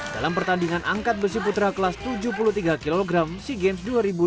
dalam pertandingan angkat besi putra kelas tujuh puluh tiga kg sea games dua ribu dua puluh